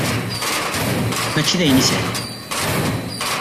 Mačči d ayen isehlen.